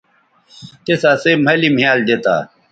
تِس اسئ مھلِ مھیال دی تا